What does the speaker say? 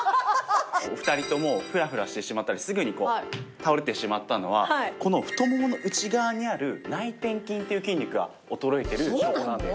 お二人ともフラフラしてしまったりすぐにこう倒れてしまったのはこの太ももの内側にある内転筋っていう筋肉が衰えてる証拠なんです。